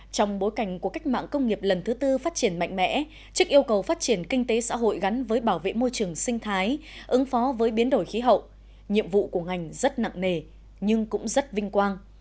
trong bối cảnh của cách mạng công nghiệp lần thứ tư phát triển mạnh mẽ chức yêu cầu phát triển kinh tế xã hội gắn với bảo vệ môi trường sinh thái ứng phó với biến đổi khí hậu nhiệm vụ của ngành rất nặng nề nhưng cũng rất vinh quang